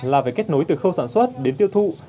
là phải kết nối từ khâu sản xuất đến tiêu thụ